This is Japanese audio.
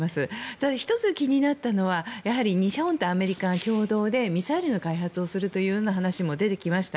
ただ１月になったのは日本とアメリカが共同でミサイルの開発をするという話も出てきました。